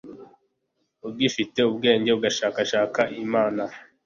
ugifite ubwenge agashakashaka imana